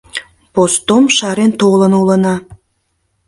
Постом шарен толын улына.